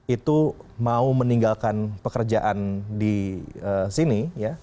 itu mau meninggalkan pekerjaan di sini